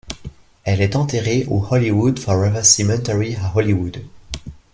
Elle est enterrée au Hollywood Forever Cemetery à Hollywood.